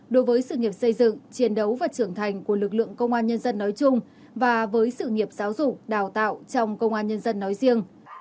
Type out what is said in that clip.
đối với sự nghiệp xây dựng chiến đấu và trưởng thành của lực lượng công an nhân dân nói chung và với sự nghiệp giáo dục đào tạo trong công an nhân dân nói riêng